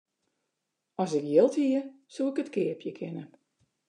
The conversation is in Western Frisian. As ik jild hie, soe ik it keapje kinne.